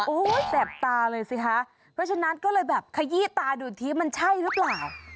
โอ้โหแสบตาเลยสิคะเพราะฉะนั้นก็เลยแบบขยี้ตาดูอีกทีมันใช่หรือเปล่า